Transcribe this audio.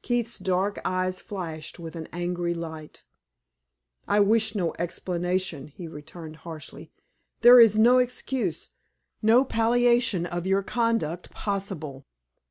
Keith's dark eyes flashed with an angry light. "I wish no explanation," he returned, harshly; "there is no excuse, no palliation of your conduct possible.